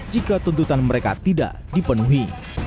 jika tuntutan mereka tidak dipenuhi